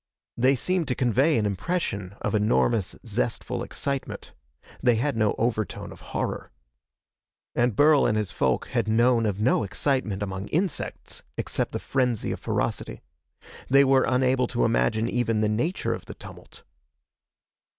They seemed to convey an impression of enormous, zestful excitement. They had no overtone of horror. And Burl and his folk had known of no excitement among insects except the frenzy of ferocity. They were unable to imagine even the nature of the tumult.